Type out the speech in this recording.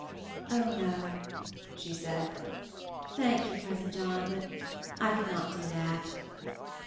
"O, no," she said. "Thank you,' Cousin John, but I could not do that."